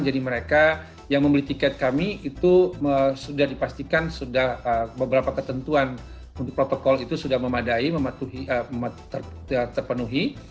jadi mereka yang membeli tiket kami itu sudah dipastikan sudah beberapa ketentuan untuk protokol itu sudah memadai terpenuhi